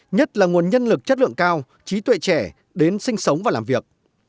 nhất là nguồn nhân lực chất lượng cao trí tuệ trẻ đến sinh sống và làm việc